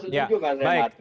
saya tidak setuju pak